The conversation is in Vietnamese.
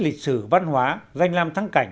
lịch sử văn hóa danh lam thắng cảnh